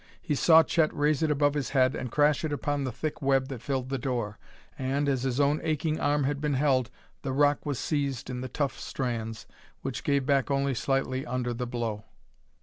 He saw Chet raise it above his head and crash it upon the thick web that filled the door. And, as his own aching arm had been held, the rock was seized in the tough strands, which gave back only slightly under the blow.